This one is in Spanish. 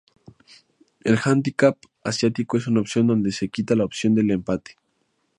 El Hándicap Asiático es una opción donde se quita la opción del "empate".